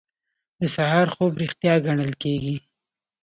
د سهار خوب ریښتیا ګڼل کیږي.